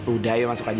udah masuk aja